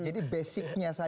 jadi basicnya saja